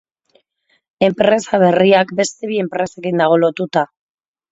Enpresa berriak beste bi enpresekin dago lotuta.